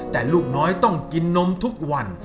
แต่ลูกน้อยต้องกินนมทุกวัน